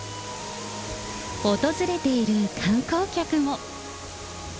訪れている観光客も。